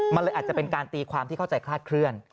มันเลยอาจจะเป็นการตีความที่เข้าใจคลาดเคลื่อน